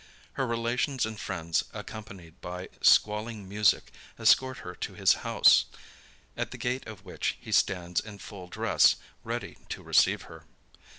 Her relations and friends accompanied by squalling music, escort her to his house; at the gate of which he stands in full dress, ready to receive her.